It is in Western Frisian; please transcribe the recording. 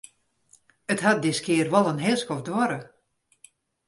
It hat diskear wol in heel skoft duorre.